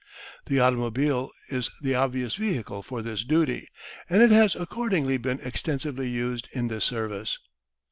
The automobile is the obvious vehicle for this duty, and it has accordingly been extensively used in this service.